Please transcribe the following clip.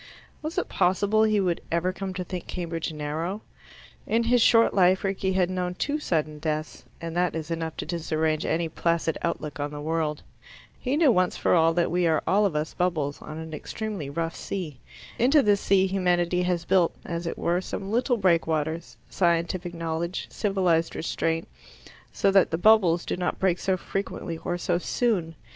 Was it possible he would ever come to think Cambridge narrow? In his short life Rickie had known two sudden deaths, and that is enough to disarrange any placid outlook on the world. He knew once for all that we are all of us bubbles on an extremely rough sea. Into this sea humanity has built, as it were, some little breakwaters scientific knowledge, civilized restraint so that the bubbles do not break so frequently or so soon.